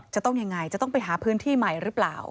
จะต้องยังไงจะต้องไปหาพื้นที่ใหม่หรือเปล่า